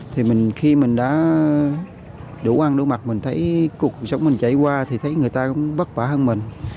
thì mình khi mình đã đủ ăn đủ mặt mình thấy cuộc sống mình chảy qua thì thấy người ta cũng bất bả hơn mình